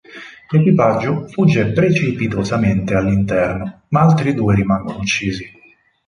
L'equipaggio fugge precipitosamente all'interno, ma altri due rimangono uccisi.